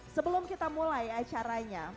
sebelum kita mulai acaranya